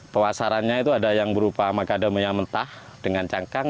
pemasarannya itu ada yang berupa macadamia mentah dengan cangkang